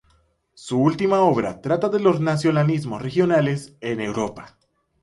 Su última obra trata de los nacionalismos regionales en Europa.